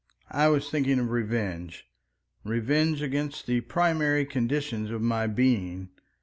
I was thinking of revenge—revenge against the primary conditions of my being.